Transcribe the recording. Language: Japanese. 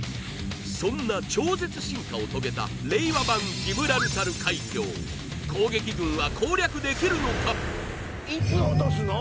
そんな超絶進化を遂げた令和版・ジブラルタル海峡攻撃軍は攻略できるのかいつ落とすの？